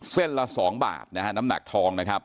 เส้นแล้ว๒บาทน้ำหนักทองนะครับ